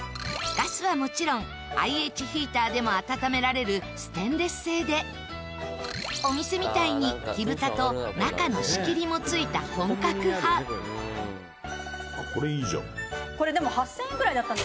ガスはもちろんＩＨヒーターでも温められるステンレス製でお店みたいに、木蓋と中の仕切りも付いた本格派富澤：これ、いいじゃん。